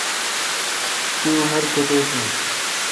تی عمر کیتیک این۔